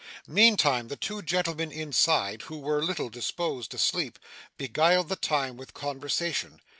Meantime the two gentlemen inside, who were little disposed to sleep, beguiled the time with conversation.